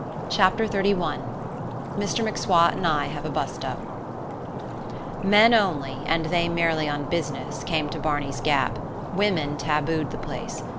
CHAPTER THIRTY ONE Mr M'Swat and I Have a Bust up Men only, and they merely on business, came to Barney's Gap women tabooed the place.